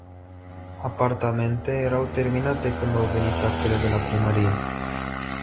Apartamente, erau terminate când au venit actele de la primărie.